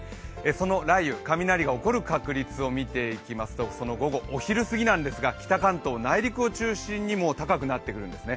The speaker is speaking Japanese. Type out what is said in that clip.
その雷雨、雷が起こる確率を見ていきますと午後、お昼過ぎなんですが、北関東、内陸を中心に高くなってくるんですね。